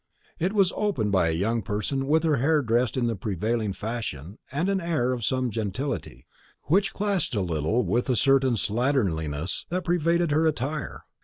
It was opened by a young person with her hair dressed in the prevailing fashion, and an air of some gentility, which clashed a little with a certain slatternliness that pervaded her attire.